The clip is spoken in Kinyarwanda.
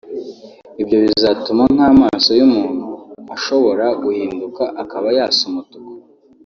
Ibyo bizatuma nk’amaso y’umuntu ashobora guhinduka akaba yasa umutuku